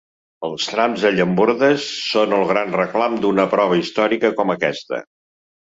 Els trams de llambordes són el gran reclam d’una prova històrica com aquesta.